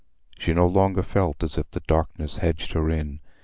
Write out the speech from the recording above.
She no longer felt as if the darkness hedged her in.